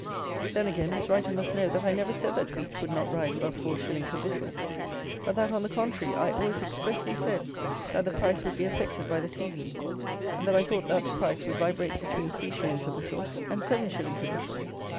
Then again, this writer must know that I never said that wheat would not rise above four shillings a bushel; but that, on the contrary, I always expressly said that the price would be affected by the seasons, and that I thought that the price would vibrate between three shillings a bushel and seven shillings a bushel.